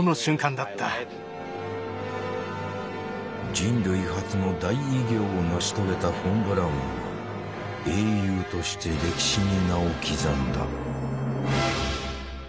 人類初の大偉業を成し遂げたフォン・ブラウンは英雄として歴史に名を刻んだ。